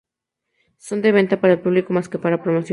Son de venta para el público más que para promociones.